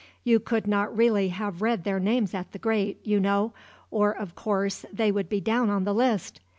You could not really have read their names at the grate, you know, or of course they would be down on the list.